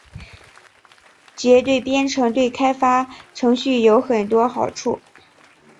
结对编程对开发程序有很多好处。